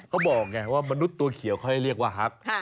เขาบอกว่ามนุษย์ตัวเขียวค่อยเรียกว่าฮัก